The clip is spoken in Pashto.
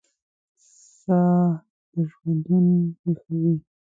ساه دژوندون ویښوي